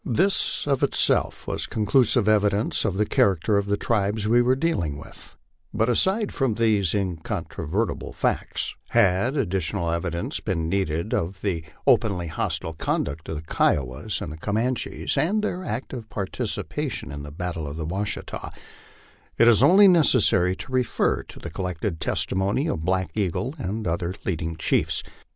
This, of itself, was conclusive evidence of the character of the tribes we were dealing with; but aside from these incontrovertible facts, had additional evidence been needed of the openly hostile conduct of the Kiowas and Co manches, and of their active participation in the battle of the Washita, it is only necessary to refer to the collected testimony of Black Eagle and other leading chiefs.